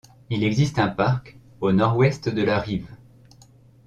Il existe un parc au nord-ouest de la rive.